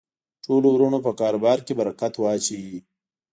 ټولو ورونو په کاربار کی برکت واچوی